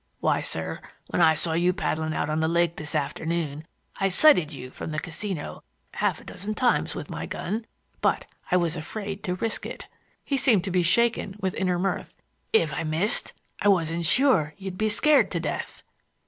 Why, sir, when I saw you paddling out on the lake this afternoon I sighted you from the casino half a dozen times with my gun, but I was afraid to risk it." He seemed to be shaken with inner mirth. "If I'd missed, I wasn't sure you'd be scared to death!"